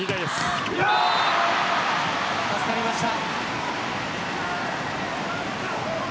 助かりました。